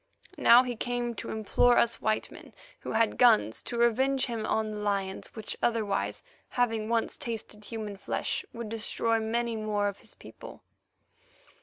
Now he came to implore us white men who had guns to revenge him on the lions, which otherwise, having once tasted human flesh, would destroy many more of his people.